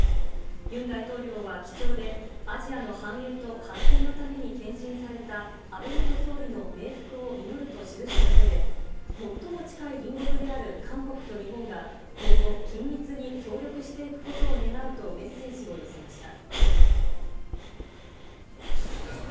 ユン大統領は記帳で、アジアの繁栄と発展のために献身された安倍元総理の冥福を祈ると記したうえで、最も近い隣国である韓国と日本が、今後、緊密に協力していくことを願うとメッセージを寄せました。